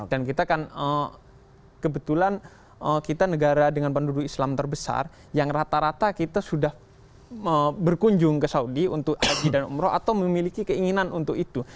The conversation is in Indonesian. dan kita kan kebetulan kita negara dengan penduduk islam terbesar yang rata rata kita sudah berkunjung ke saudi untuk haji dan umroh atau memiliki keinginan untuk itu